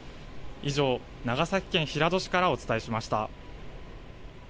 以上、長崎県平戸市からお伝えしました。